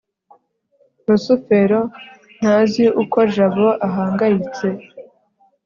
rusufero ntazi uko jabo ahangayitse